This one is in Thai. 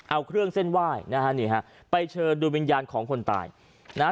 เอาเครื่องเส้นไหว้นะฮะนี่ฮะไปเชิญดูวิญญาณของคนตายนะฮะ